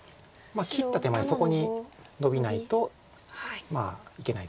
切った手前そこにノビないといけないです白は。